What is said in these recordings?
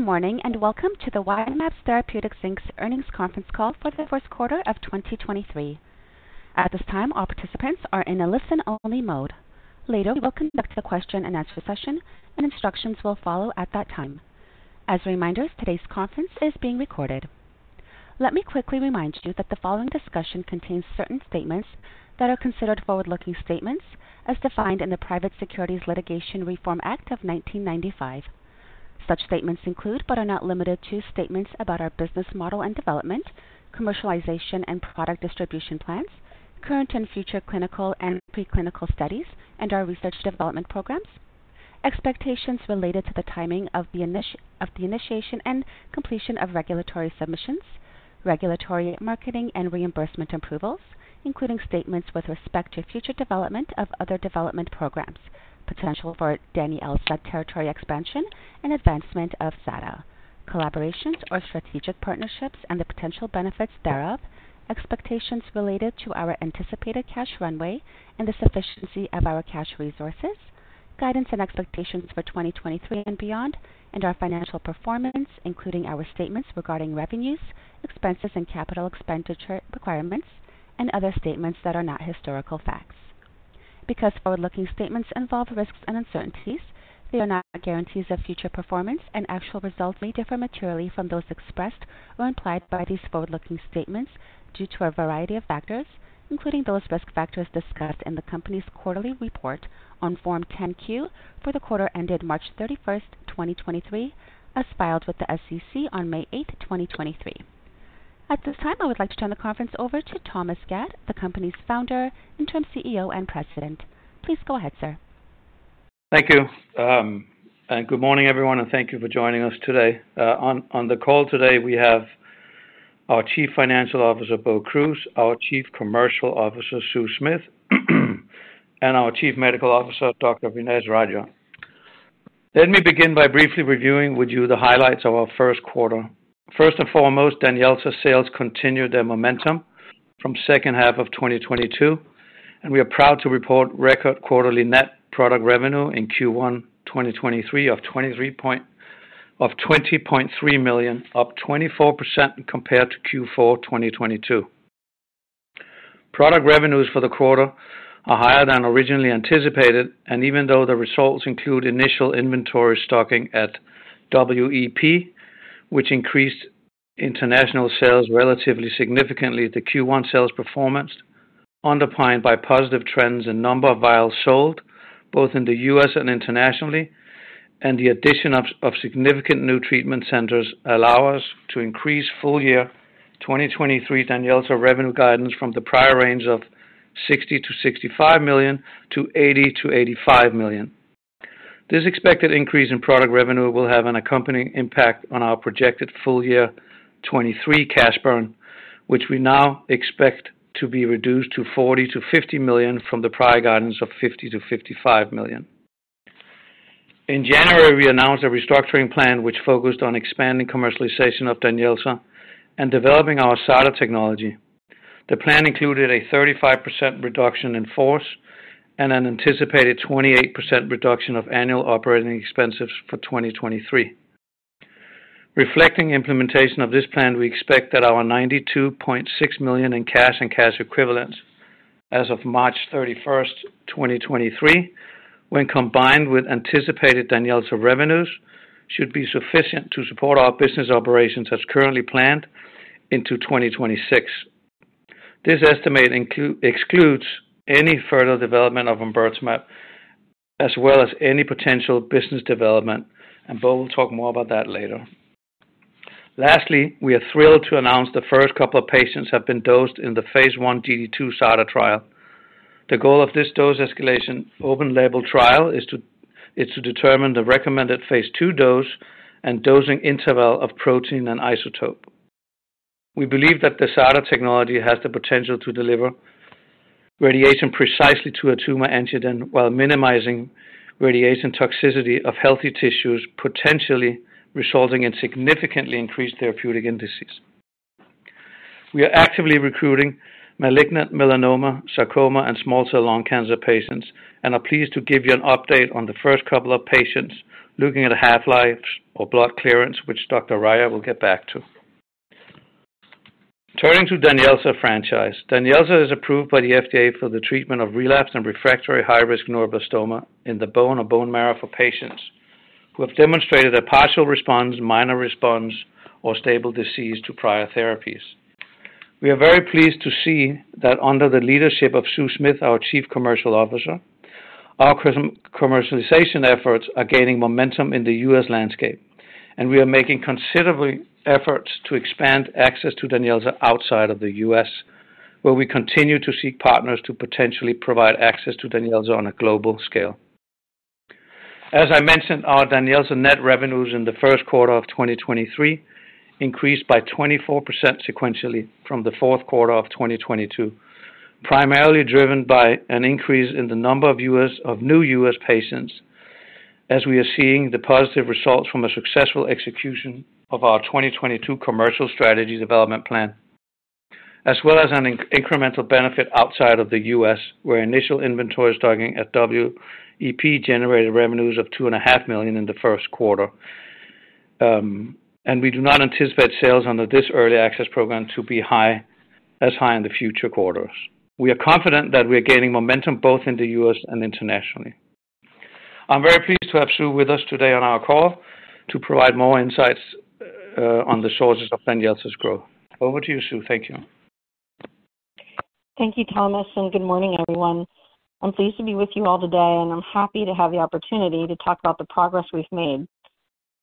Good morning, and welcome to the Y-mAbs Therapeutics, Inc. earnings conference call for the first quarter of 2023. At this time, all participants are in a listen-only mode. Later, we will conduct a question-and-answer session. Instructions will follow at that time. As a reminder, today's conference is being recorded. Let me quickly remind you that the following discussion contains certain statements that are considered forward-looking statements as defined in the Private Securities Litigation Reform Act of 1995. Such statements include, but are not limited to, statements about our business model and development, commercialization and product distribution plans, current and future clinical and pre-clinical studies, and our research development programs, expectations related to the timing of the initiation and completion of regulatory submissions, regulatory marketing and reimbursement approvals, including statements with respect to future development of other development programs, potential for DANYELZA territory expansion and advancement of SADA, collaborations or strategic partnerships and the potential benefits thereof, expectations related to our anticipated cash runway and the sufficiency of our cash resources, guidance and expectations for 2023 and beyond, and our financial performance, including our statements regarding revenues, expenses, and capital expenditure requirements, and other statements that are not historical facts. Forward-looking statements involve risks and uncertainties, they are not guarantees of future performance, and actual results may differ materially from those expressed or implied by these forward-looking statements due to a variety of factors, including those risk factors discussed in the company's quarterly report on Form 10-Q for the quarter ended March 31st, 2023, as filed with the SEC on May 8th, 2023. At this time, I would like to turn the conference over to Thomas Gad, the company's Founder, Interim CEO, and President. Please go ahead, sir. Thank you. Good morning, everyone, and thank you for joining us today. On the call today we have our Chief Financial Officer, Bo Kruse, our Chief Commercial Officer, Sue Smith, and our Chief Medical Officer, Dr. Vignesh Rajah. Let me begin by briefly reviewing with you the highlights of our first quarter. First and foremost, DANYELZA's sales continued their momentum from second half of 2022, and we are proud to report record quarterly net product revenue in Q1 2023 of $20.3 million, up 24% compared to Q4 2022. Product revenues for the quarter are higher than originally anticipated, and even though the results include initial inventory stocking at WEP, which increased international sales relatively significantly, the Q1 sales performance underpinned by positive trends in number of vials sold both in the US and internationally, and the addition of significant new treatment centers allow us to increase full year 2023 DANYELZA's revenue guidance from the prior range of $60 million-$65 million to $80 million-$85 million. This expected increase in product revenue will have an accompanying impact on our projected full year 2023 cash burn, which we now expect to be reduced to $40 million-$50 million from the prior guidance of $50 million-$55 million. In January, we announced a restructuring plan which focused on expanding commercialization of DANYELZA and developing our SADA technology. The plan included a 35% reduction in force and an anticipated 28% reduction of annual operating expenses for 2023. Reflecting implementation of this plan, we expect that our $92.6 million in cash and cash equivalents as of March 31st, 2023, when combined with anticipated DANYELZA revenues, should be sufficient to support our business operations as currently planned into 2026. This estimate excludes any further development of omburtamab as well as any potential business development. Bo will talk more about that later. Lastly, we are thrilled to announce the first couple of patients have been dosed in the Phase I GD2 SADA trial. The goal of this dose escalation open label trial is to determine the recommended Phase II dose and dosing interval of protein and isotope. We believe that the SADA technology has the potential to deliver radiation precisely to a tumor antigen while minimizing radiation toxicity of healthy tissues, potentially resulting in significantly increased therapeutic indices. We are actively recruiting malignant melanoma, sarcoma, and small cell lung cancer patients and are pleased to give you an update on the first couple of patients looking at half-lives or blood clearance, which Dr. Rajah will get back to. Turning to DANYELZA franchise. DANYELZA is approved by the FDA for the treatment of relapse and refractory high-risk neuroblastoma in the bone or bone marrow for patients who have demonstrated a partial response, minor response or stable disease to prior therapies. We are very pleased to see that under the leadership of Sue Smith, our commercialization efforts are gaining momentum in the U.S. landscape. We are making considerable efforts to expand access to DANYELZA outside of the U.S., where we continue to seek partners to potentially provide access to DANYELZA on a global scale. As I mentioned, our DANYELZA net revenues in the first quarter of 2023 increased by 24% sequentially from the fourth quarter of 2022, primarily driven by an increase in the number of U.S. patients, as we are seeing the positive results from a successful execution of our 2022 commercial strategy development plan. As well as an incremental benefit outside of the U.S., where initial inventory stocking at WEP generated revenues of $2.5 million in the first quarter. We do not anticipate sales under this early access program to be high, as high in the future quarters. We are confident that we are gaining momentum both in the U.S. and internationally. I'm very pleased to have Sue with us today on our call to provide more insights on the sources of DANYELZA's growth. Over to you, Sue. Thank you. Thank you, Thomas. Good morning, everyone. I'm pleased to be with you all today. I'm happy to have the opportunity to talk about the progress we've made.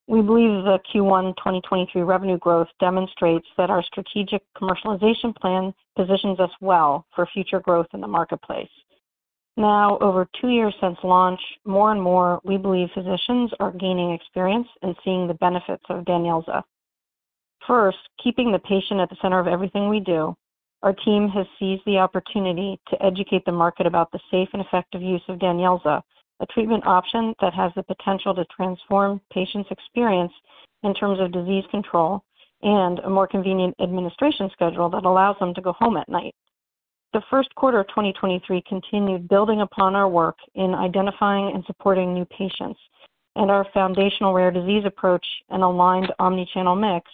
We believe the Q1 2023 revenue growth demonstrates that our strategic commercialization plan positions us well for future growth in the marketplace. Over two years since launch, more and more, we believe physicians are gaining experience in seeing the benefits of DANYELZA. Keeping the patient at the center of everything we do, our team has seized the opportunity to educate the market about the safe and effective use of DANYELZA, a treatment option that has the potential to transform patients' experience in terms of disease control and a more convenient administration schedule that allows them to go home at night. The first quarter of 2023 continued building upon our work in identifying and supporting new patients. Our foundational rare disease approach and aligned omni-channel mix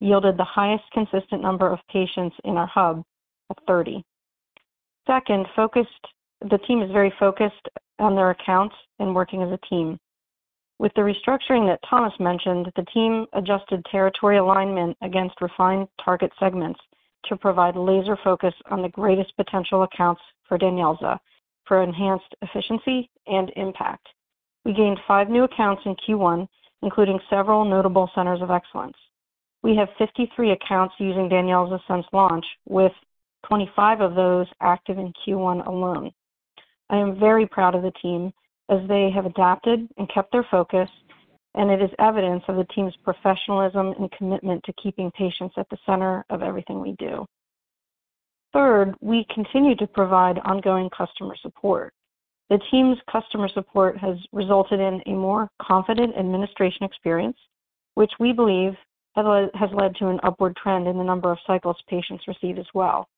yielded the highest consistent number of patients in our hub at 30. Second, the team is very focused on their accounts and working as a team. With the restructuring that Thomas mentioned, the team adjusted territory alignment against refined target segments to provide laser focus on the greatest potential accounts for DANYELZA for enhanced efficiency and impact. We gained five new accounts in Q1, including several notable centers of excellence. We have 53 accounts using DANYELZA since launch, with 25 of those active in Q1 alone. I am very proud of the team as they have adapted and kept their focus. It is evidence of the team's professionalism and commitment to keeping patients at the center of everything we do. Third, we continue to provide ongoing customer support. The team's customer support has resulted in a more confident administration experience, which we believe has led to an upward trend in the number of cycles patients receive as well.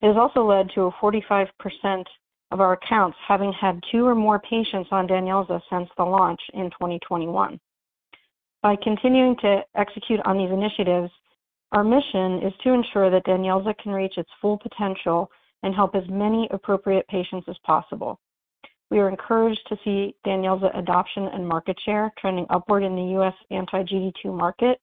It has also led to a 45% of our accounts having had two or more patients on DANYELZA since the launch in 2021. By continuing to execute on these initiatives, our mission is to ensure that DANYELZA can reach its full potential and help as many appropriate patients as possible. We are encouraged to see DANYELZA adoption and market share trending upward in the U.S. anti-GD2 market.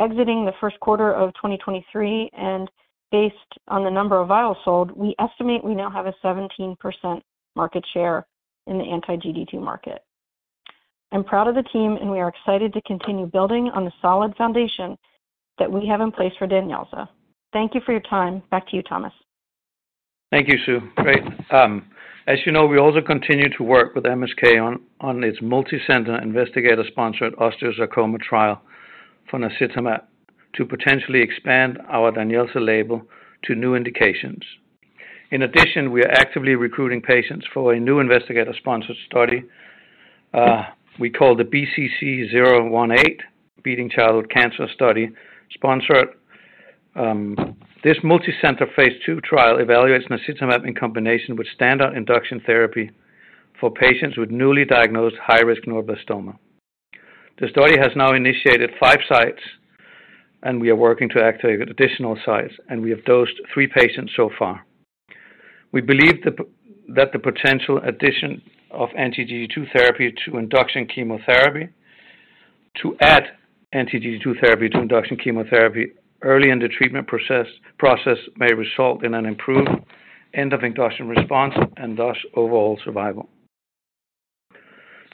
Exiting the first quarter of 2023 and based on the number of vials sold, we estimate we now have a 17% market share in the anti-GD2 market. I'm proud of the team. We are excited to continue building on the solid foundation that we have in place for DANYELZA. Thank you for your time. Back to you, Thomas. Thank you, Sue. Great. As you know, we also continue to work with MSK on its multi-center investigator-sponsored osteosarcoma trial for naxitamab to potentially expand our DANYELZA label to new indications. In addition, we are actively recruiting patients for a new investigator-sponsored study, we call the BCC-018 Beating Childhood Cancer Study, sponsored. This multi-center phase two trial evaluates naxitamab in combination with standard induction therapy for patients with newly diagnosed high-risk neuroblastoma. The study has now initiated five sites, and we are working to activate additional sites, and we have dosed three patients so far. We believe that the potential addition of anti-GD2 therapy to induction chemotherapy to add anti-GD2 therapy to induction chemotherapy early in the treatment process may result in an improved end of induction response and thus overall survival.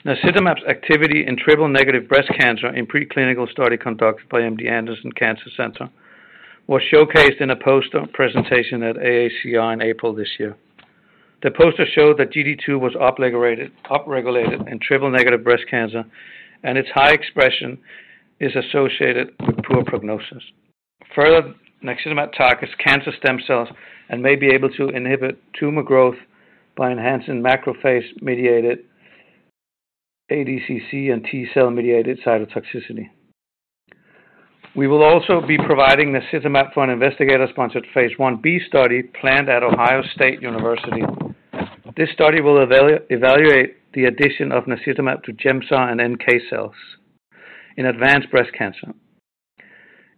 Naxitamab's activity in triple-negative breast cancer in preclinical study conducted by MD Anderson Cancer Center was showcased in a poster presentation at AACR in April this year. The poster showed that GD2 was upregulated in triple-negative breast cancer, and its high expression is associated with poor prognosis. Further, naxitamab targets cancer stem cells and may be able to inhibit tumor growth by enhancing macrophage-mediated ADCC and T-cell mediated cytotoxicity. We will also be providing naxitamab for an investigator-sponsored Phase Ib study planned at Ohio State University. This study will evaluate the addition of naxitamab to Gemzar and NK cells in advanced breast cancer.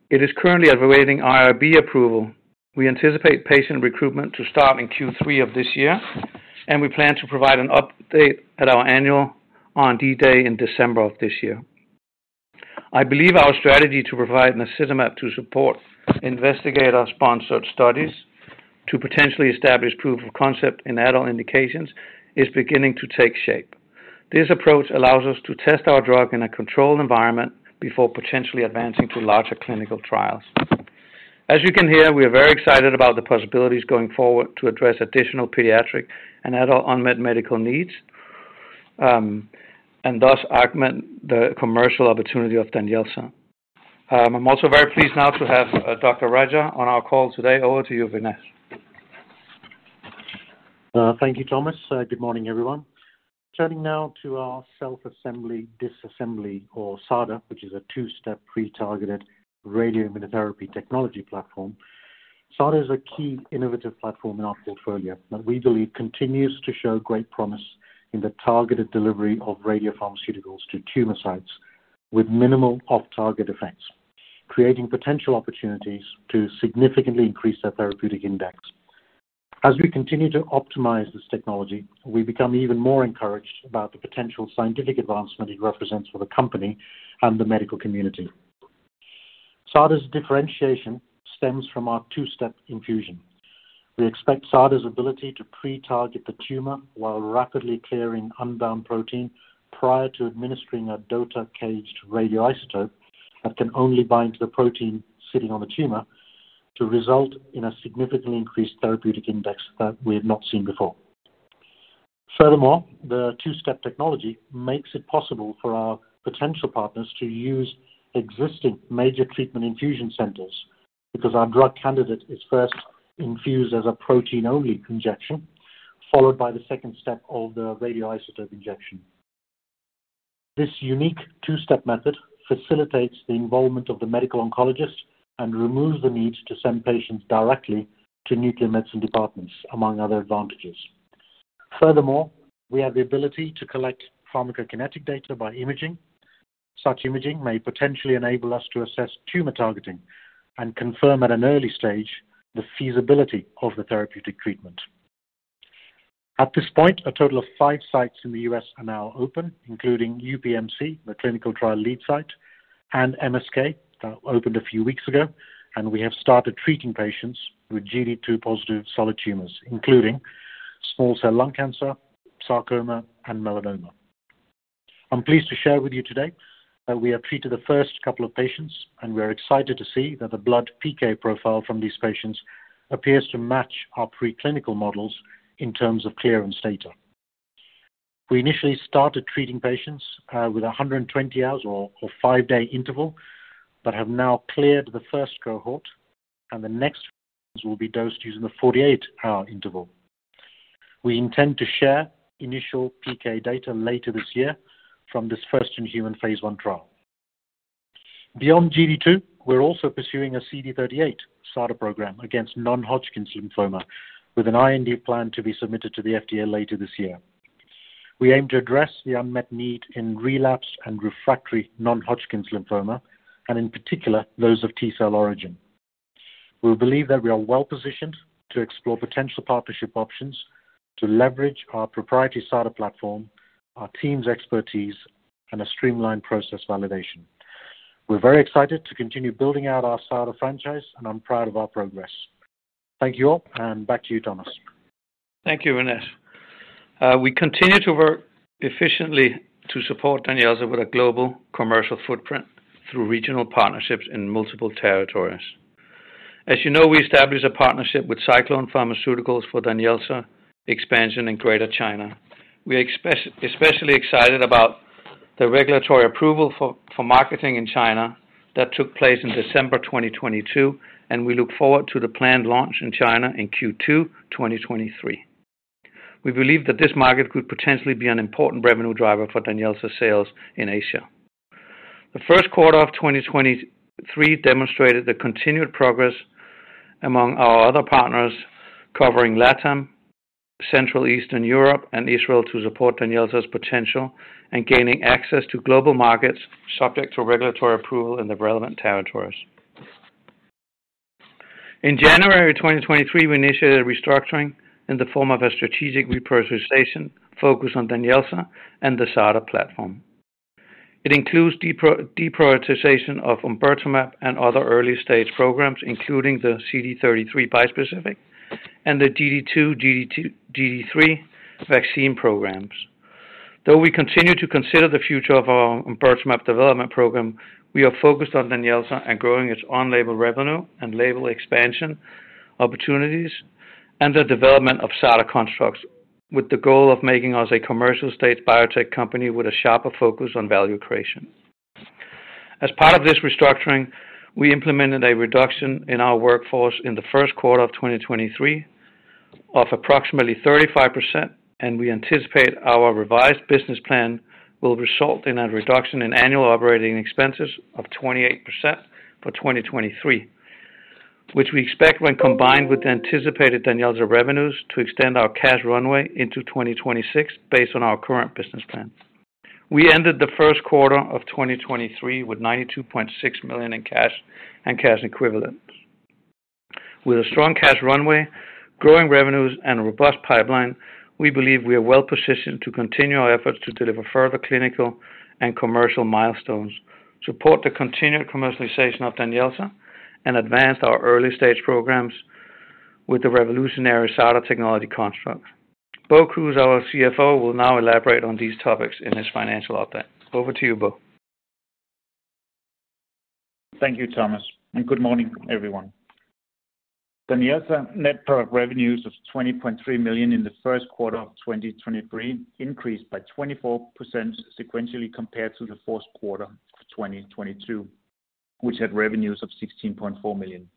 It is currently awaiting IRB approval. We anticipate patient recruitment to start in Q3 of this year, and we plan to provide an update at our annual R&D Day in December of this year. I believe our strategy to provide naxitamab to support investigator-sponsored studies to potentially establish proof of concept in adult indications is beginning to take shape. This approach allows us to test our drug in a controlled environment before potentially advancing to larger clinical trials. As you can hear, we are very excited about the possibilities going forward to address additional pediatric and adult unmet medical needs, and thus augment the commercial opportunity of DANYELZA. I'm also very pleased now to have Dr. Rajah on our call today. Over to you, Vignesh. Thank you, Thomas. Good morning, everyone. Turning now to our self-assembly, disassembly or SADA, which is a two-step pre targeted radioimmunotherapy technology platform. SADA is a key innovative platform in our portfolio that we believe continues to show great promise in the targeted delivery of radiopharmaceuticals to tumor sites with minimal off-target effects, creating potential opportunities to significantly increase their therapeutic index. As we continue to optimize this technology, we become even more encouraged about the potential scientific advancement it represents for the company and the medical community. SADA's differentiation stems from our two-step infusion. We expect SADA's ability to pre-target the tumor while rapidly clearing unbound protein prior to administering a DOTA caged radioisotope that can only bind to the protein sitting on the tumor to result in a significantly increased therapeutic index that we have not seen before. Furthermore, the two-step technology makes it possible for our potential partners to use existing major treatment infusion centers because our drug candidate is first infused as a protein-only injection, followed by the second step of the radioisotope injection. This unique two-step method facilitates the involvement of the medical oncologist and removes the need to send patients directly to nuclear medicine departments, among other advantages. Furthermore, we have the ability to collect pharmacokinetic data by imaging. Such imaging may potentially enable us to assess tumor targeting and confirm at an early stage the feasibility of the therapeutic treatment. At this point, a total of five sites in the U.S. are now open, including UPMC, the clinical trial lead site, and MSK that opened a few weeks ago. We have started treating patients with GD2 positive solid tumors, including small cell lung cancer, sarcoma and melanoma. I'm pleased to share with you today that we have treated the first couple of patients and we are excited to see that the blood PK profile from these patients appears to match our preclinical models in terms of clearance data. We initially started treating patients with 120 hours or five day interval, but have now cleared the first cohort and the next will be dosed using the 48-hour interval. We intend to share initial PK data later this year from this first in human Phase I trial. Beyond GD2, we're also pursuing a CD38 SADA program against non-Hodgkin lymphoma with an IND plan to be submitted to the FDA later this year. We aim to address the unmet need in relapsed and refractory non-Hodgkin lymphoma and in particular those of T-cell origin. We believe that we are well-positioned to explore potential partnership options to leverage our proprietary SADA platform, our team's expertise, and a streamlined process validation. We're very excited to continue building out our SADA franchise and I'm proud of our progress. Thank you all. Back to you, Thomas. Thank you, Vignesh. We continue to work efficiently to support DANYELZA with a global commercial footprint through regional partnerships in multiple territories. As you know, we established a partnership with SciClone Pharmaceuticals for DANYELZA expansion in Greater China. We are especially excited about the regulatory approval for marketing in China that took place in December 2022, and we look forward to the planned launch in China in Q2 2023. We believe that this market could potentially be an important revenue driver for DANYELZA sales in Asia. The first quarter of 2023 demonstrated the continued progress among our other partners covering LATAM, Central Eastern Europe and Israel to support DANYELZA's potential and gaining access to global markets subject to regulatory approval in the relevant territories. In January 2023, we initiated a restructuring in the form of a strategic representation focus on DANYELZA and the SADA platform. It includes deprioritization of omburtamab and other early stage programs, including the CD33 bispecific and the GD2-GD3 Vaccine programs. Though we continue to consider the future of our omburtamab development program, we are focused on DANYELZA and growing its on-label revenue and label expansion opportunities and the development of SADA constructs with the goal of making us a commercial-stage biotech company with a sharper focus on value creation. As part of this restructuring, we implemented a reduction in our workforce in the first quarter of 2023 of approximately 35%, and we anticipate our revised business plan will result in a reduction in annual operating expenses of 28% for 2023, which we expect when combined with anticipated DANYELZA revenues to extend our cash runway into 2026 based on our current business plan. We ended the first quarter of 2023 with $92.6 million in cash and cash equivalents. With a strong cash runway, growing revenues and a robust pipeline, we believe we are well-positioned to continue our efforts to deliver further clinical and commercial milestones, support the continued commercialization of DANYELZA, and advance our early-stage programs with the revolutionary SADA technology construct. Bo Kruse, our CFO, will now elaborate on these topics in his financial update. Over to you, Bo. Thank you, Thomas, and good morning, everyone. DANYELZA net product revenues of $23 million in the first quarter of 2023 increased by 24% sequentially compared to the fourth quarter of 2022. Which had revenues of $16.4 million.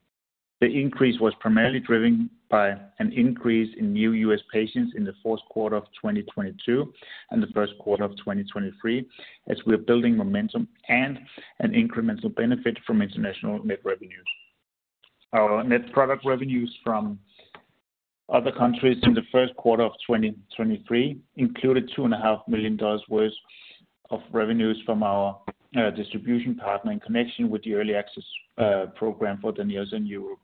The increase was primarily driven by an increase in new US patients in the fourth quarter of 2022 and the first quarter of 2023, as we are building momentum and an incremental benefit from international net revenues. Our net product revenues from other countries in the first quarter of 2023 included two and a half million dollars worth of revenues from our distribution partner in connection with the early access program for DANYELZA in Europe.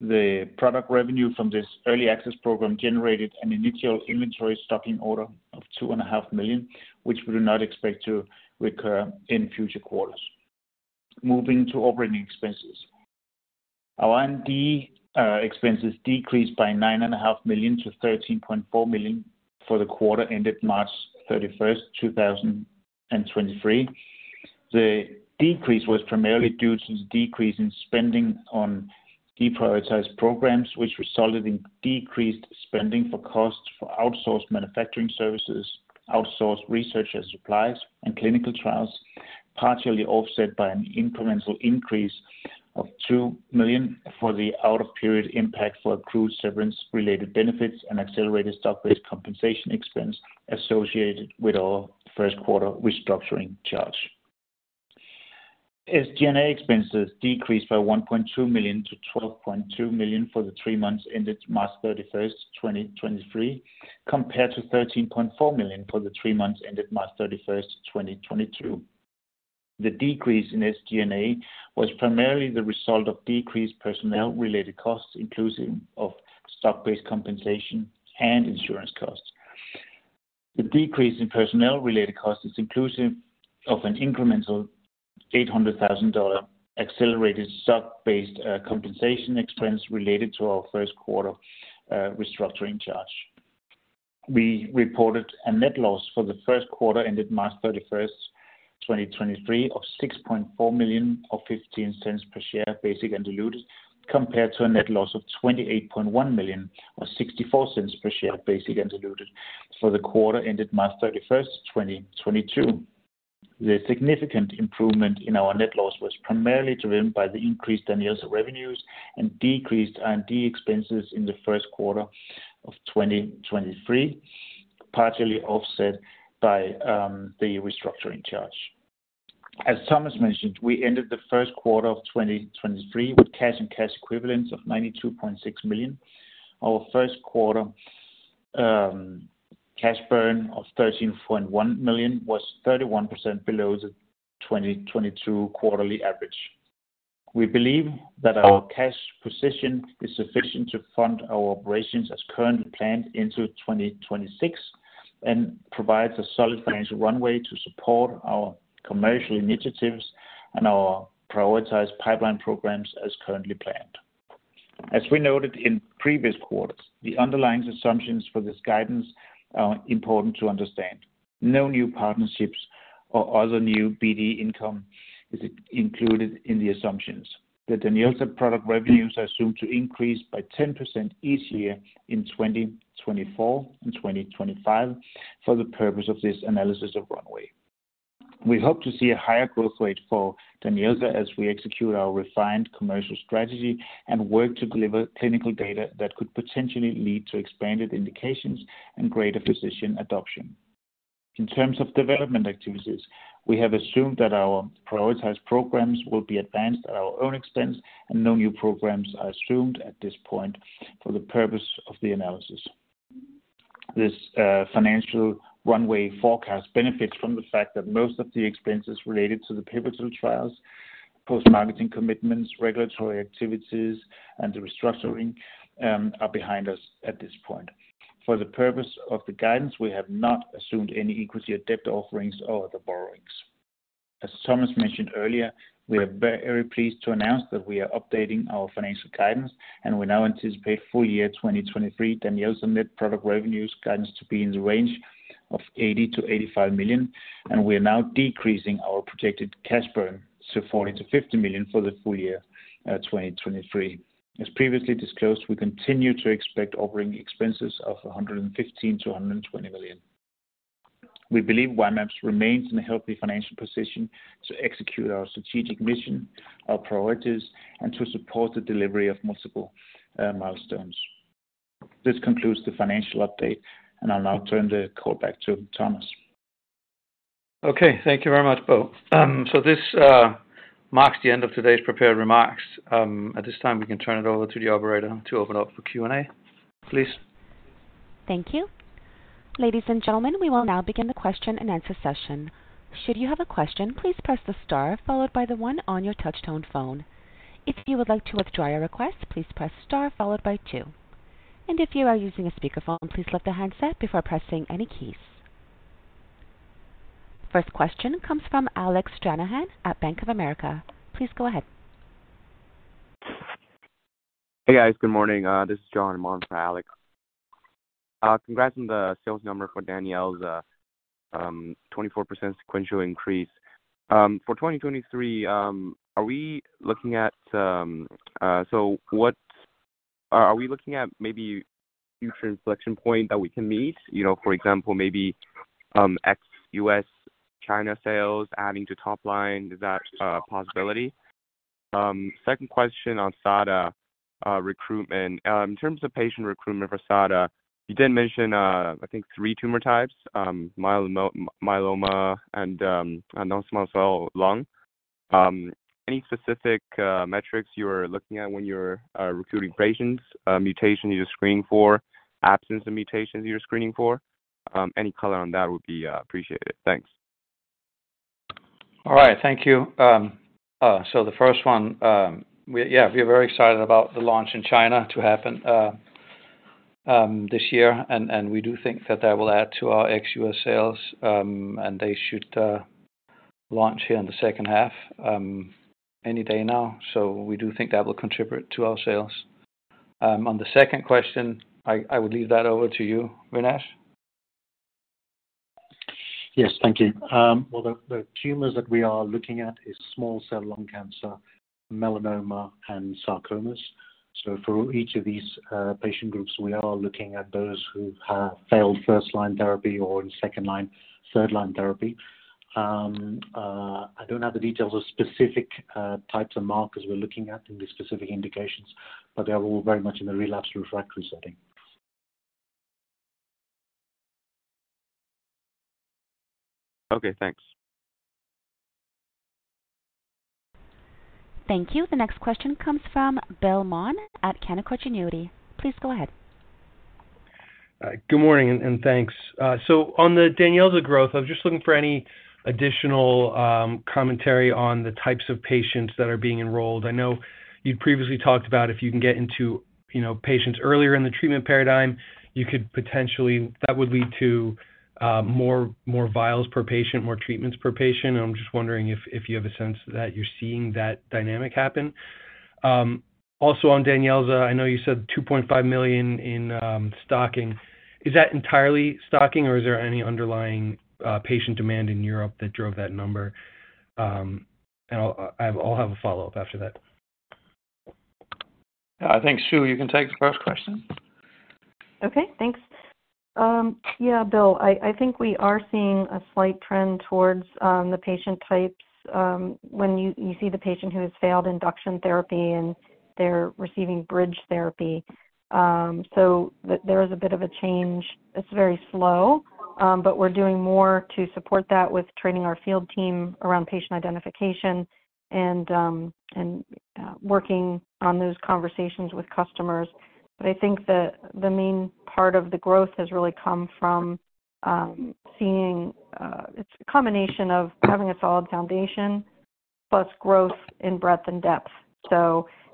The product revenue from this early access program generated an initial inventory stocking order of two and a half million, which we do not expect to recur in future quarters. Moving to operating expenses. Our R&D expenses decreased by nine and a half million to $13.4 million for the quarter ended March 31st, 2023. The decrease was primarily due to the decrease in spending on deprioritized programs, which resulted in decreased spending for costs for outsourced manufacturing services, outsourced research and supplies, and clinical trials, partially offset by an incremental increase of $2 million for the out-of-period impact for accrued severance-related benefits and accelerated stock-based compensation expense associated with our first quarter restructuring charge. SG&A expenses decreased by $1.2 million to $12.2 million for the three months ended March 31st, 2023, compared to $13.4 million for the three months ended March 31st, 2022. The decrease in SG&A was primarily the result of decreased personnel-related costs, inclusive of stock-based compensation and insurance costs. The decrease in personnel-related costs is inclusive of an incremental $800,000 accelerated stock-based compensation expense related to our first quarter restructuring charge. We reported a net loss for the first quarter ended March 31st, 2023, of $6.4 million or $0.15 per share, basic and diluted, compared to a net loss of $28.1 million or $0.64 per share, basic and diluted for the quarter ended March 31st, 2022. The significant improvement in our net loss was primarily driven by the increased DANYELZA's revenues and decreased R&D expenses in the first quarter of 2023, partially offset by the restructuring charge. As Thomas mentioned, we ended the first quarter of 2023 with cash and cash equivalents of $92.6 million. Our first quarter cash burn of $13.1 million was 31% below the 2022 quarterly average. We believe that our cash position is sufficient to fund our operations as currently planned into 2026 and provides a solid financial runway to support our commercial initiatives and our prioritized pipeline programs as currently planned. As we noted in previous quarters, the underlying assumptions for this guidance are important to understand. No new partnerships or other new BD income is included in the assumptions. The DANYELZA's product revenues are assumed to increase by 10% each year in 2024 and 2025 for the purpose of this analysis of runway. We hope to see a higher growth rate for DANYELZA's as we execute our refined commercial strategy and work to deliver clinical data that could potentially lead to expanded indications and greater physician adoption. In terms of development activities, we have assumed that our prioritized programs will be advanced at our own expense and no new programs are assumed at this point for the purpose of the analysis. This financial runway forecast benefits from the fact that most of the expenses related to the pivotal trials, post-marketing commitments, regulatory activities, and the restructuring are behind us at this point. For the purpose of the guidance, we have not assumed any equity or debt offerings or other borrowings. As Thomas mentioned earlier, we are very pleased to announce that we are updating our financial guidance, and we now anticipate full-year 2023 DANYELZA net product revenues guidance to be in the range of $80 million-$85 million, and we are now decreasing our projected cash burn to $40 million-$50 million for the full year 2023. As previously disclosed, we continue to expect operating expenses of $115 million-$120 million. We believe Y-mAbs remains in a healthy financial position to execute our strategic mission, our priorities, and to support the delivery of multiple milestones. This concludes the financial update, and I'll now turn the call back to Thomas. Okay. Thank you very much, Bo. This marks the end of today's prepared remarks. At this time, we can turn it over to the operator to open it up for Q&A. Please. Thank you. Ladies and gentlemen, we will now begin the question and answer session. Should you have a question, please press the star followed by the one on your touchtone phone. If you would like to withdraw your request, please press star followed by two. If you are using a speakerphone, please let the handset before pressing any keys. First question comes from Alec Stranahan at Bank of America. Please go ahead. Hey, guys. Good morning. This is John.Are we looking at maybe future inflection point that we can meet? You know, for example, maybe ex-US, China sales adding to top line, is that a possibility? Second question on SADA recruitment. In terms of patient recruitment for SADA, you did mention, I think three tumor types, multiple myeloma and non-small cell lung. Any specific metrics you are looking at when you're recruiting patients, mutation you're screening for, absence of mutations you're screening for? Any color on that would be appreciated. Thanks. All right. Thank you. The first one, yeah, we are very excited about the launch in China to happen this year. We do think that that will add to our ex-US sales, and they should launch here in the second half, any day now. We do think that will contribute to our sales. On the second question, I would leave that over to you, Vignesh. Yes. Thank you. Well, the tumors that we are looking at is small cell lung cancer, melanoma, and sarcomas. For each of these patient groups, we are looking at those who have failed first-line therapy or in second-line, third-line therapy. I don't have the details of specific types of markers we're looking at in the specific indications, but they are all very much in the relapsed/refractory setting. Okay. Thanks. Thank you. The next question comes from Bill Maughan at Canaccord Genuity. Please go ahead. Good morning, and thanks. On the DANYELZA growth, I was just looking for any additional commentary on the types of patients that are being enrolled. I know you previously talked about if you can get into, you know, patients earlier in the treatment paradigm, you could potentially that would lead to more vials per patient, more treatments per patient. I'm just wondering if you have a sense that you're seeing that dynamic happen. Also on DANYELZA, I know you said $2.5 million in stocking. Is that entirely stocking, or is there any underlying patient demand in Europe that drove that number? I'll have a follow-up after that. I think, Sue, you can take the first question. Okay. Thanks. Yeah, Bill, I think we are seeing a slight trend towards the patient types, when you see the patient who has failed induction therapy and they're receiving bridge therapy. There is a bit of a change. It's very slow, but we're doing more to support that with training our field team around patient identification and working on those conversations with customers. I think the main part of the growth has really come from seeing... It's a combination of having a solid foundation plus growth in breadth and depth.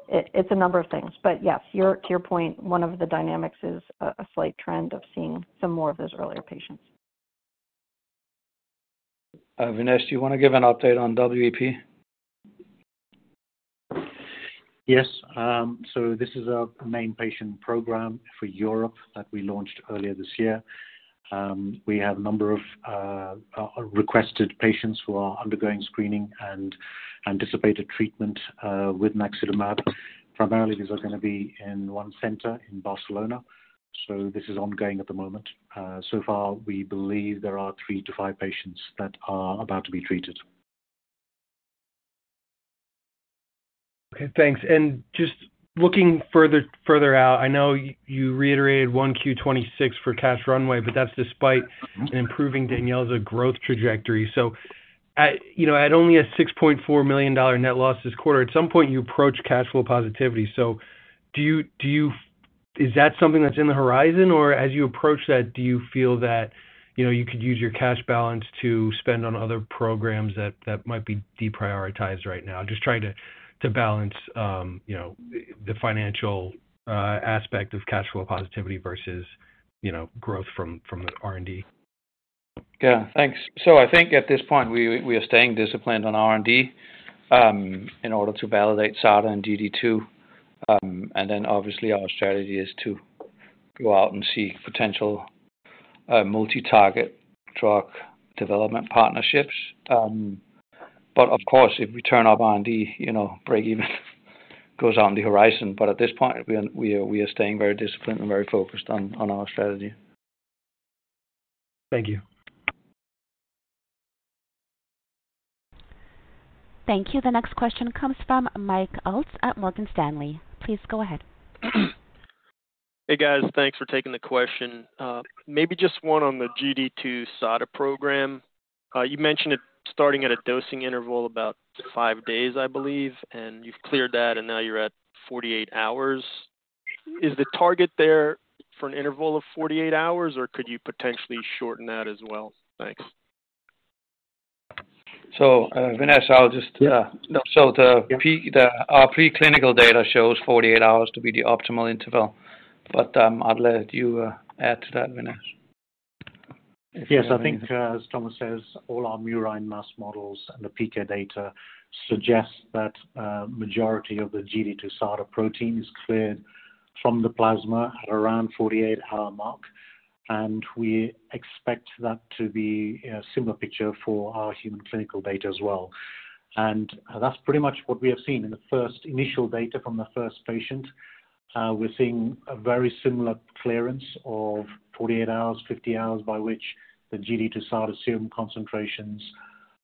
It's a number of things. Yes, to your point, one of the dynamics is a slight trend of seeing some more of those earlier patients. Vinesh, do you wanna give an update on WEP? Yes. This is our main patient program for Europe that we launched earlier this year. We have a number of requested patients who are undergoing screening and anticipated treatment with naxitamab. Primarily, these are gonna be in one center in Barcelona. This is ongoing at the moment. So far, we believe there are three to five patients that are about to be treated. Okay. Thanks. Just looking further out, I know you reiterated Q 2026 for cash runway, that's despite an improving DANYELZA's growth trajectory. At, you know, at only a $6.4 million net loss this quarter, at some point, you approach cash flow positivity. Is that something that's in the horizon? Or as you approach that, do you feel that, you know, you could use your cash balance to spend on other programs that might be deprioritized right now? Just trying to balance, you know, the financial aspect of cash flow positivity versus, you know, growth from R&D. Thanks. I think at this point, we are staying disciplined on R&D in order to validate SADA and GD2. Obviously our strategy is to go out and seek potential multi-target drug development partnerships. Of course, if we turn up R&D, you know, breakeven goes on the horizon. At this point, we are staying very disciplined and very focused on our strategy. Thank you. Thank you. The next question comes from Michael Ulz at Morgan Stanley. Please go ahead. Hey, guys. Thanks for taking the question. Maybe just one on the GD2-SADA program. You mentioned it starting at a dosing interval about 5 days, I believe, and you've cleared that, and now you're at 48 hours. Is the target there for an interval of 48 hours, or could you potentially shorten that as well? Thanks. Vinesh, Yeah. the Yeah. Our preclinical data shows 48 hours to be the optimal interval. I'll let you add to that, Vignesh. Yes. I think, as Thomas says, all our murine mass models and the PK data suggests that, majority of the GD2 SADA protein is cleared from the plasma at around 48-hour mark, we expect that to be a similar picture for our human clinical data as well. That's pretty much what we have seen in the first initial data from the first patient. We're seeing a very similar clearance of 48 hours, 50 hours by which the GD2 SADA serum concentrations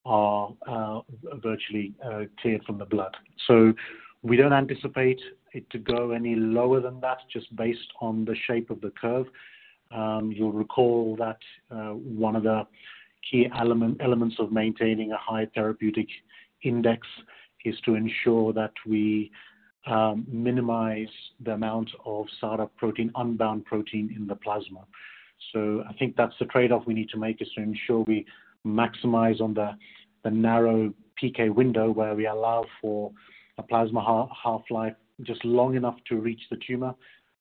are, virtually, cleared from the blood. We don't anticipate it to go any lower than that, just based on the shape of the curve. You'll recall that, one of the key elements of maintaining a high therapeutic index is to ensure that we minimize the amount of SADA protein, unbound protein in the plasma. I think that's the trade-off we need to make, is to ensure we maximize on the narrow PK window where we allow for a plasma half-life just long enough to reach the tumor,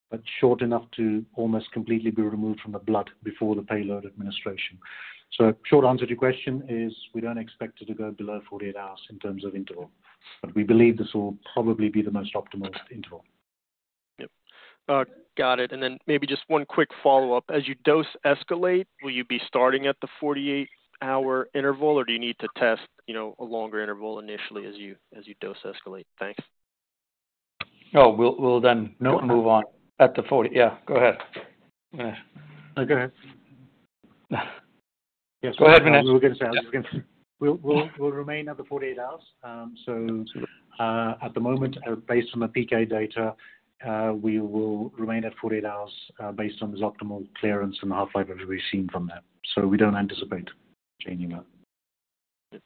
but short enough to almost completely be removed from the blood before the payload administration. Short answer to your question is we don't expect it to go below 48 hours in terms of interval, but we believe this will probably be the most optimal interval. Yep. got it. Maybe just one quick follow-up. As you dose escalate, will you be starting at the 48-hour interval, or do you need to test, you know, a longer interval initially as you dose escalate? Thanks. Oh, we'll. No. move on. Yeah, go ahead. No, go ahead. Go ahead, Vignesh. We're good. We're good. We'll remain at the 48 hours. At the moment, based on the PK data, we will remain at 48 hours, based on this optimal clearance and the half-life that we've seen from that. We don't anticipate changing that.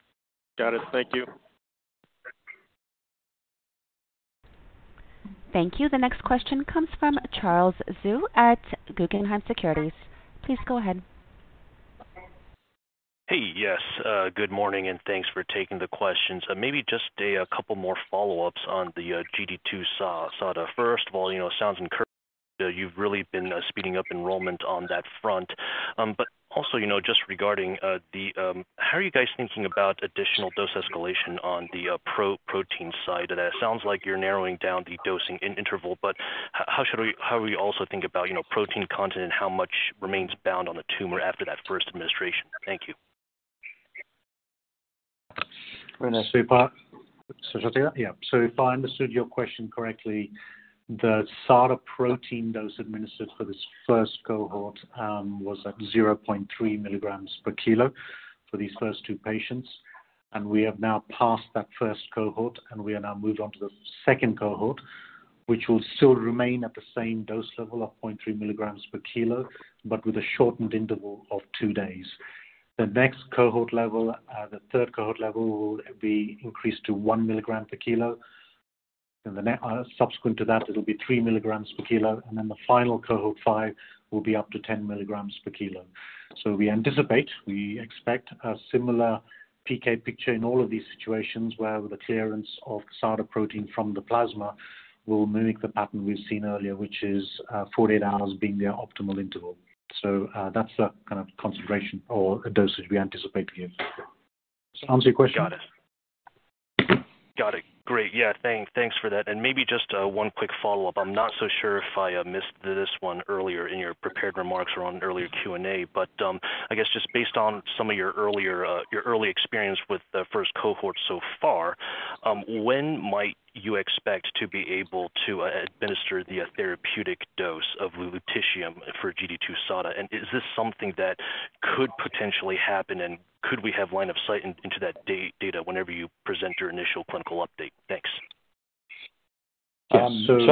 Got it. Thank you. Thank you. The next question comes from Charles Zhu at Guggenheim Securities. Please go ahead. Hey. Yes. Good morning. Thanks for taking the questions. Maybe just a couple more follow-ups on the GD2-SADA. First of all, you know, it sounds encouraging that you've really been speeding up enrollment on that front. Also, you know, just regarding the, how are you guys thinking about additional dose escalation on the pro-protein side? It sounds like you're narrowing down the dosing in interval, but how we also think about, you know, protein content and how much remains bound on the tumor after that first administration? Thank you. Vignesh. Yeah. If I understood your question correctly, the SADA protein dose administered for this first cohort was at 0.3 milligrams per kilo for these first two patients. We have now passed that first cohort, and we are now moved on to the second cohort, which will still remain at the same dose level of 0.3 milligrams per kilo, but with a shortened interval of two days. The next cohort level, the third cohort level, will be increased to 1 milligram per kilo. Subsequent to that, it'll be 3 milligrams per kilo, and then the final cohort, five, will be up to 10 milligrams per kilo. We anticipate, we expect a similar PK picture in all of these situations where the clearance of the SADA protein from the plasma will mimic the pattern we've seen earlier, which is, 48 hours being the optimal interval. That's the kind of concentration or dosage we anticipate to give. Does that answer your question? Got it. Great. Thanks for that. Maybe just one quick follow-up. I'm not so sure if I missed this one earlier in your prepared remarks or on earlier Q&A, but I guess just based on some of your earlier, your early experience with the first cohort so far, when might you expect to be able to administer the therapeutic dose of lutetium for GD2 SADA? Is this something that could potentially happen, and could we have line of sight into that data whenever you present your initial clinical update? Thanks. Um, so-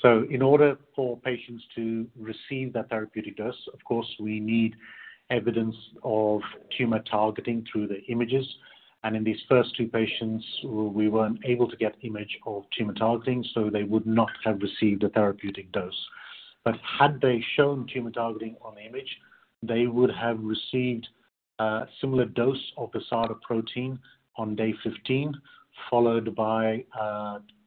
So- In order for patients to receive that therapeutic dose, of course, we need evidence of tumor targeting through the images. In these first two patients, we weren't able to get image of tumor targeting, so they would not have received a therapeutic dose. Had they shown tumor targeting on the image, they would have received a similar dose of the SADA protein on day 15, followed by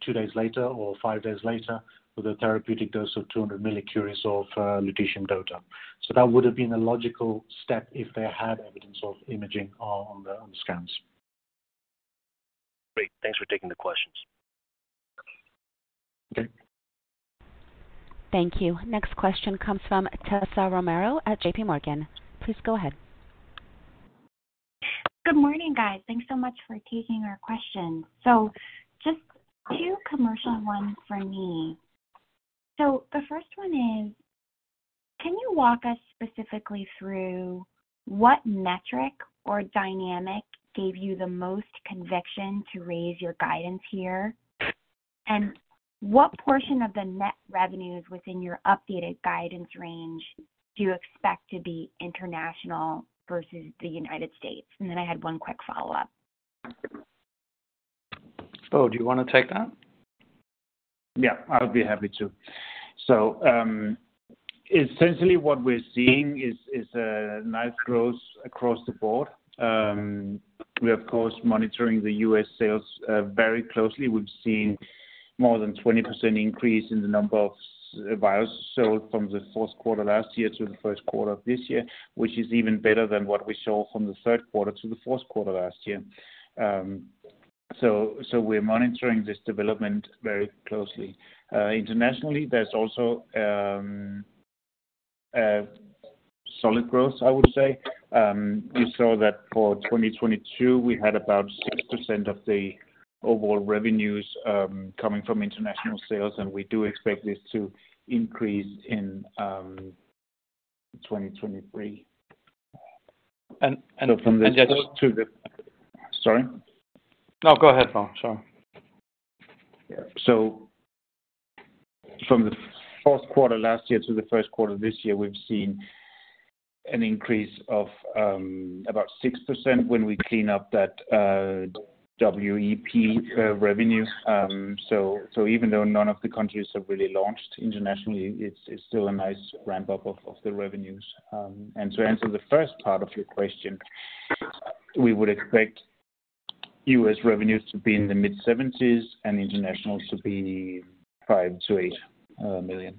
two days later or five days later with a therapeutic dose of 200 millicuries of lutetium DOTATATE. That would have been a logical step if they had evidence of imaging on the, on the scans. Great. Thanks for taking the questions. Okay. Thank you. Next question comes from Tessa Romero at JP Morgan. Please go ahead. Good morning, guys. Thanks so much for taking our questions. Just two commercial ones for me. The first one is, can you walk us specifically through what metric or dynamic gave you the most conviction to raise your guidance here? What portion of the net revenues within your updated guidance range do you expect to be international versus the United States? I had one quick follow-up. Bo, do you wanna take that? Yeah, I'll be happy to. Essentially what we're seeing is nice growth across the board. We're of course monitoring the U.S. sales very closely. We've seen more than 20% increase in the number of vials sold from the fourth quarter last year to the first quarter of this year, which is even better than what we saw from the third quarter to the fourth quarter last year. We're monitoring this development very closely. Internationally, there's also a solid growth, I would say. We saw that for 2022, we had about 6% of the overall revenues coming from international sales, and we do expect this to increase in 2023. Just to. Sorry? No, go ahead, Bo. Sorry. From the fourth quarter last year to the first quarter this year, we've seen an increase of about 6% when we clean up that WEP revenue. So even though none of the countries have really launched internationally, it's still a nice ramp-up of the revenues. To answer the first part of your question, we would expect U.S. revenues to be in the mid-$70s and international to be $5 million-$8 million.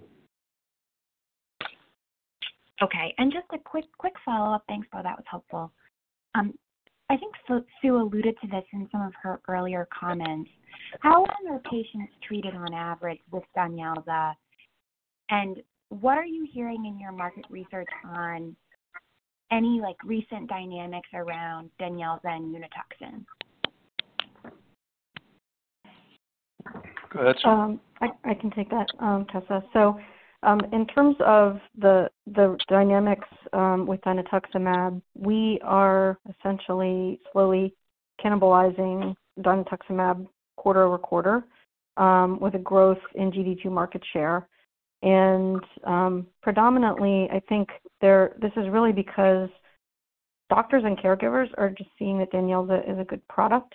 Okay. Just a quick follow-up. Thanks, Bo. That was helpful. I think Sue alluded to this in some of her earlier comments. How long are patients treated on average with DANYELZA? What are you hearing in your market research on any, like, recent dynamics around DANYELZA and Unituxin? Go ahead, Sue. I can take that, Tessa. In terms of the dynamics with dinutuximab, we are essentially slowly cannibalizing dinutuximab quarter-over-quarter with a growth in GD2 market share. Predominantly, I think this is really because doctors and caregivers are just seeing that DANYELZA is a good product.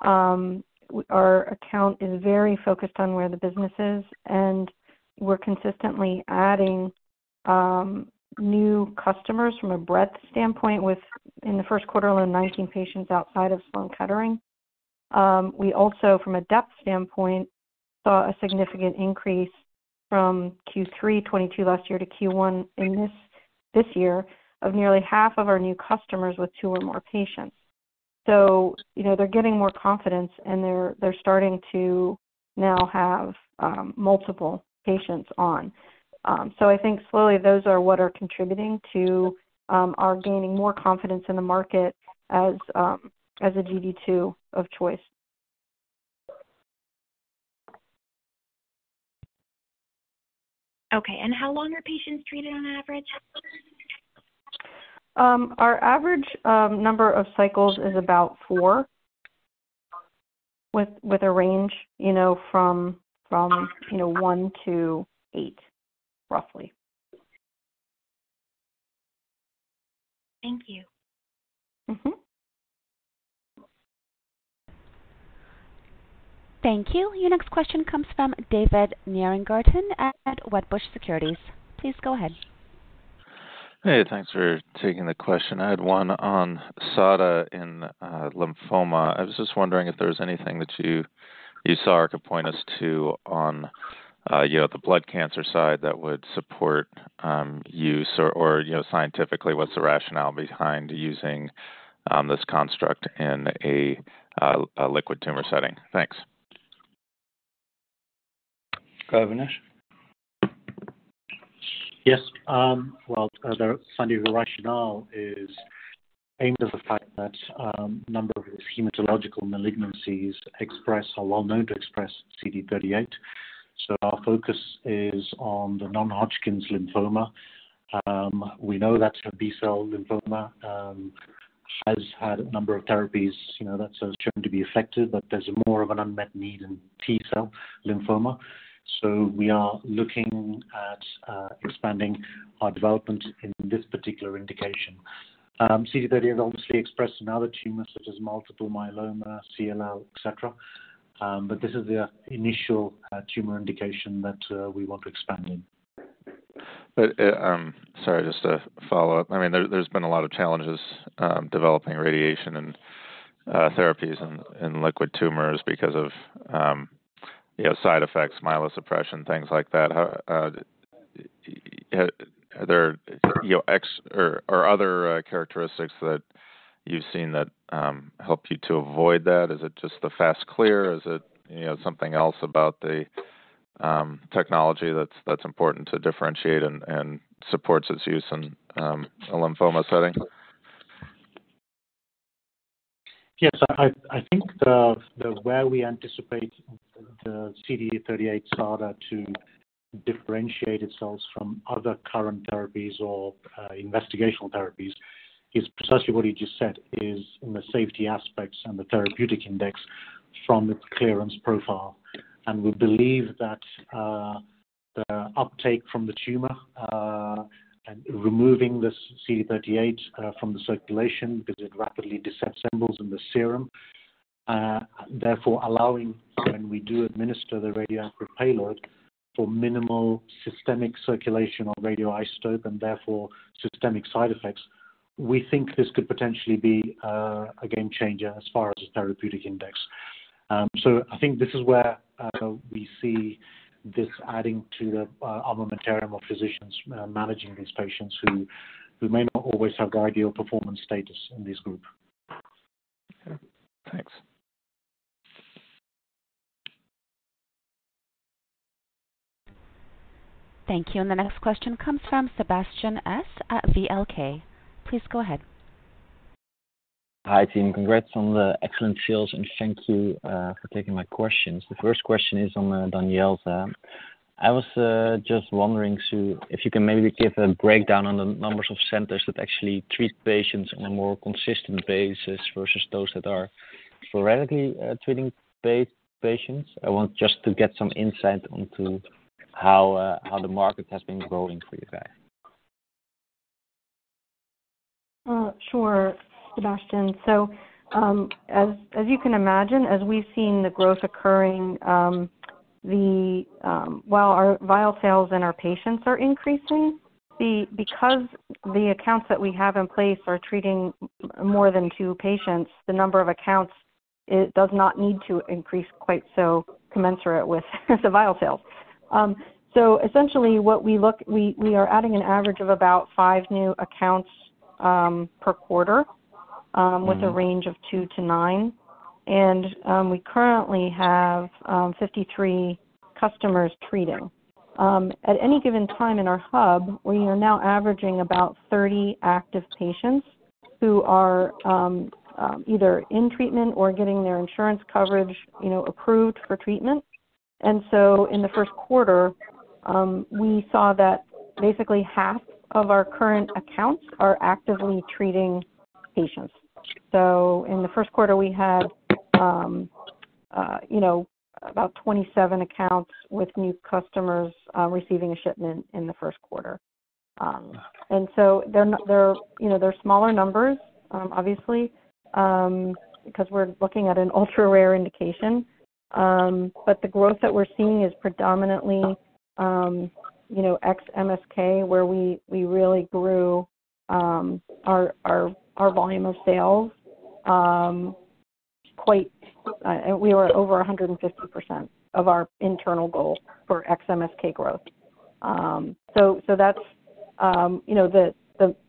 Our account is very focused on where the business is, and we're consistently adding new customers from a breadth standpoint in the first quarter alone, 19 patients outside of Sloan Kettering. We also, from a depth standpoint, saw a significant increase from Q3 2022 last year to Q1 this year of nearly half of our new customers with two or more patients. You know, they're getting more confidence, and they're starting to now have multiple patients on. I think slowly those are what are contributing to our gaining more confidence in the market as a GD2 of choice. Okay. How long are patients treated on average? Our average number of cycles is about four, with a range, you know, from, you know, one to eight roughly. Thank you. Mm-hmm. Thank you. Your next question comes from David Nierengarten at Wedbush Securities. Please go ahead. Hey, thanks for taking the question. I had one on SADA in lymphoma. I was just wondering if there's anything that you saw or could point us to on, you know, the blood cancer side that would support use or, you know, scientifically, what's the rationale behind using this construct in a liquid tumor setting? Thanks. Go Vignesh. Yes. Well, the scientific rationale is aimed at the fact that a number of hematological malignancies express or well known to express CD38. Our focus is on the non-Hodgkin lymphoma. We know that's a B-cell lymphoma, has had a number of therapies, you know, that has shown to be effective, but there's more of an unmet need in T-cell lymphoma. We are looking at expanding our development in this particular indication. CD38 is obviously expressed in other tumors such as multiple myeloma, CLL, et cetera, but this is the initial tumor indication that we want to expand in. Sorry, just to follow up. I mean, there's been a lot of challenges developing radiation and therapies in liquid tumors because of, you know, side effects, myelosuppression, things like that. How are there, you know, or other characteristics that you've seen that help you to avoid that? Is it just the fast clear? Is it, you know, something else about the technology that's important to differentiate and supports its use in a lymphoma setting? Yes. I think the way we anticipate the CD38-SADA to differentiate itself from other current therapies or investigational therapies is precisely what you just said, is in the safety aspects and the therapeutic index from its clearance profile. We believe that the uptake from the tumor and removing this CD38 from the circulation because it rapidly disassembles in the serum, therefore allowing when we do administer the radioactive payload for minimal systemic circulation of radioisotope and therefore systemic side effects, we think this could potentially be a game changer as far as therapeutic index. I think this is where we see this adding to the armamentarium of physicians managing these patients who may not always have the ideal performance status in this group. Okay. Thanks. Thank you. The next question comes from Sebastian S. at VLK. Please go ahead. Hi, team. Congrats on the excellent sales. Thank you for taking my questions. The first question is on DANYELZA. I was just wondering, Sue, if you can maybe give a breakdown on the numbers of centers that actually treat patients on a more consistent basis versus those that are sporadically treating patients. I want just to get some insight onto how the market has been growing for you guys. Sure, Sebastian. As you can imagine, as we've seen the growth occurring, the while our vial sales and our patients are increasing, because the accounts that we have in place are treating more than two patients, the number of accounts, it does not need to increase quite so commensurate with the vial sales. Essentially what we look. We are adding an average of about five new accounts per quarter, Mm-hmm. With a range of two to nine. We currently have 53 customers treating. At any given time in our hub, we are now averaging about 30 active patients who are either in treatment or getting their insurance coverage, you know, approved for treatment. In the first quarter, we saw that basically half of our current accounts are actively treating patients. In the first quarter, we had, you know, about 27 accounts with new customers receiving a shipment in the first quarter. They're, you know, they're smaller numbers, obviously, because we're looking at an ultra-rare indication. But the growth that we're seeing is predominantly, you know, ex MSK, where we really grew our volume of sales quite. We were over 150% of our internal goal for ex-MSK growth. You know,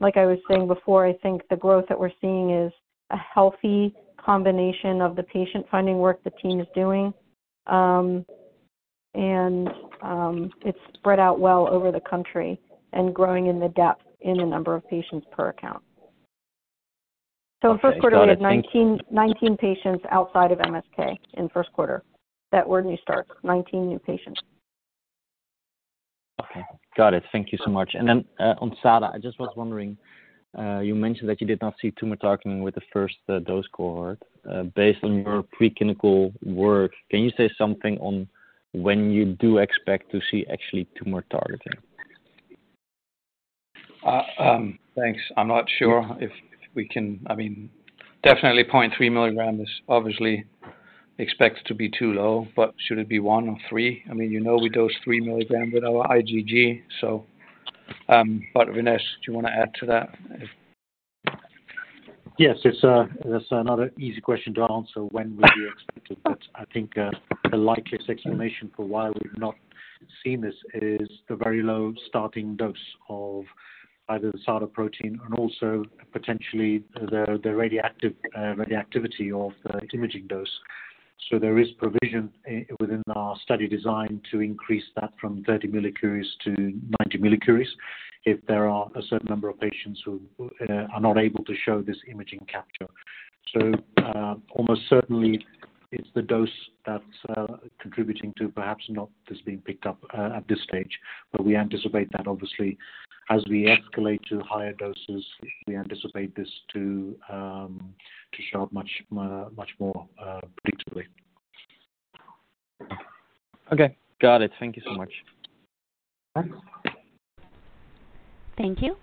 like I was saying before, I think the growth that we're seeing is a healthy combination of the patient-finding work the team is doing. It's spread out well over the country and growing in the depth in the number of patients per account. Okay. Got it. First quarter, we had 19 patients outside of MSK in first quarter that were new starts. 19 new patients. Okay. Got it. Thank you so much. On SADA, I just was wondering, you mentioned that you did not see tumor targeting with the first dose cohort. Based on your preclinical work, can you say something on when you do expect to see actually tumor targeting? Thanks. I'm not sure if we can. I mean, definitely 0.3 milligrams is obviously expected to be too low, but should it be one or three? I mean, you know, we dose 3 milligrams with our IgG. Vignesh, do you wanna add to that? Yes. It's, that's another easy question to answer, when would you expect it, but I think, the likeliest explanation for why we've not seen this is the very low starting dose of either the SADA protein and also potentially the radioactive, radioactivity of the imaging dose. There is provision within our study design to increase that from 30 millicuries to 90 millicuries if there are a certain number of patients who are not able to show this imaging capture. Almost certainly it's the dose that's contributing to perhaps not this being picked up at this stage. We anticipate that obviously as we escalate to higher doses, we anticipate this to show up much, much more, predictably. Okay. Got it. Thank you so much. Thanks. Thank you.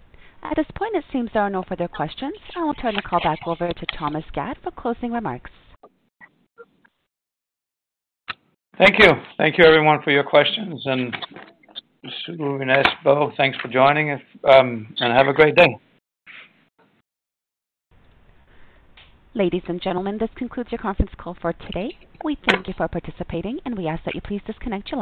At this point, it seems there are no further questions. I will turn the call back over to Thomas Gad for closing remarks. Thank you. Thank you, everyone, for your questions. Sue, Vinesh, Bo, thanks for joining us. Have a great day. Ladies and gentlemen, this concludes your conference call for today. We thank you for participating. We ask that you please disconnect.